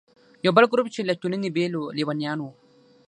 یو بل ګروپ چې له ټولنې بېل و، لیونیان وو.